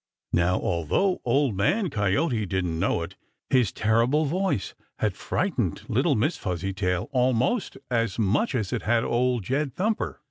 Now, although Old Man Coyote didn't know it, his terrible voice had frightened little Miss Fuzzytail almost as much as it had Old Jed Thumper.